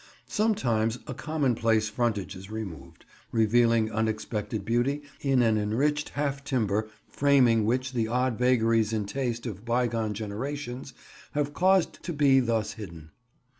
Sometimes a commonplace frontage is removed, revealing unexpected beauty in an enriched half timber framing which the odd vagaries in taste of bygone generations have caused to be thus hidden.